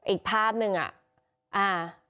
อีกภาพหนึ่งอ่ะ